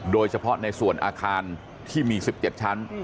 โดยเฉพาะในส่วนอาคารที่มี๑๗ชั้น